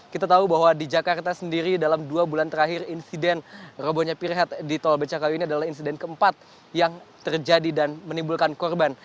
kita tahu bahwa di jakarta sendiri dalam dua bulan terakhir insiden robohnya pirhat di tol becakayu ini adalah insiden keempat yang terjadi dan menimbulkan korban